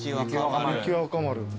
雪若丸。